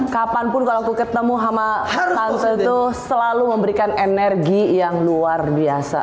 kapanpun kalau aku ketemu sama tante itu selalu memberikan energi yang luar biasa